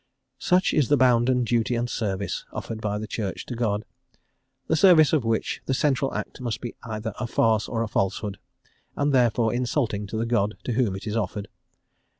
Such is the "bounden duty and service" offered by the Church to God, the service of which the central act must be either a farce or a falsehood, and therefore insulting to the God to whom it is offered.